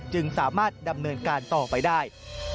จึงสามารถดำเนินการต่อไปได้